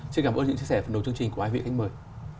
xin cảm ơn những chia sẻ phần đầu chương trình của hai vị khách mời